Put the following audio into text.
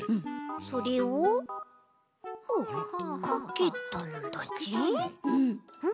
それをかけたんだち？